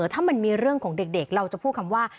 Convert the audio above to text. ถ้ามันมีเรื่องของเด็กเราจะพูดคำว่า